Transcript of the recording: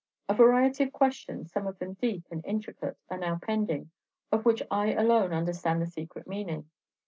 A variety of questions, some of them deep and intricate, are now pending, of which I alone understand the secret meaning.